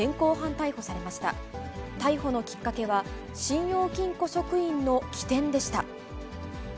逮捕のきっかけは、信用金庫職員の機転でした。